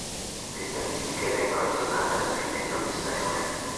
Le statistiche vengono aggiornate alla fine di ogni stagione.